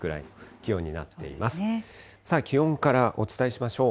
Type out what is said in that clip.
気温からお伝えしましょう。